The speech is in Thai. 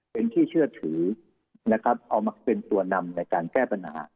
เป็นที่เชื่อถือนะครับเอามาเป็นตัวนำในการแก้ปัญหา